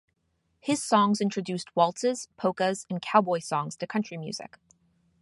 His songs introduced waltzes, polkas, and cowboy songs to country music.